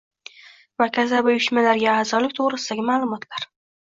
va kasaba uyushmalariga a’zolik to‘g‘risidagi ma’lumotlar